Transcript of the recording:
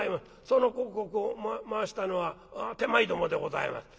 その広告を回したのは手前どもでございます」。